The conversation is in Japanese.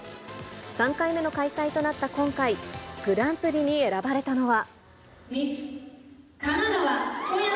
３回目の開催となった今回、グランプリに選ばれたのは。